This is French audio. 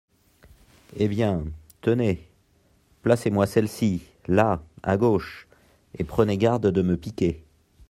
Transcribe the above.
Eh bien… tenez… placez-moi celle-ci… là, à gauche… et prenez garde de me piquer.